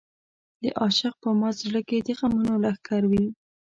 د عاشق په مات زړه کې د غمونو لښکر وي.